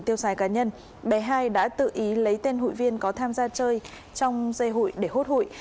dài cá nhân bé hai đã tự ý lấy tên hội viên có tham gia chơi trong dây hội để hốt hội